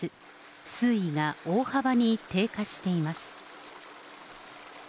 水位が大幅に低下しています。